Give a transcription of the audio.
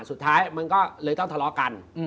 สุดท้ายมันก็เลยต้องทะเลาะกัน